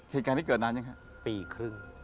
เหตุการณ์นี้เกิดนานยังคะปีครึ่ง